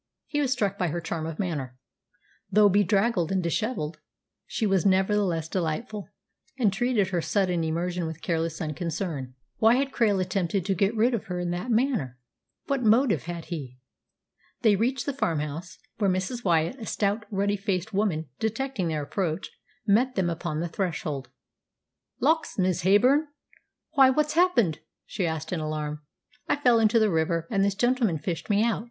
He was struck by her charm of manner. Though bedraggled and dishevelled, she was nevertheless delightful, and treated her sudden immersion with careless unconcern. Why had Krail attempted to get rid of her in that manner? What motive had he? They reached the farmhouse, where Mrs. Wyatt, a stout, ruddy faced woman, detecting their approach, met them upon the threshold. "Lawks, Miss Heyburn! why, what's happened?" she asked in alarm. "I fell into the river, and this gentleman fished me out.